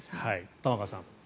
玉川さん。